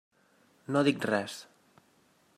No dic res.